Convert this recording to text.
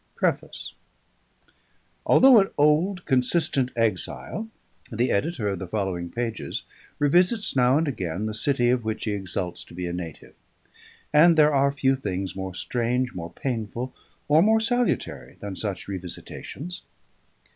PREFACE Although an old, consistent exile, the editor of the following pages revisits now and again the city of which he exults to be a native; and there are few things more strange, more painful, or more salutary, than such revisitations.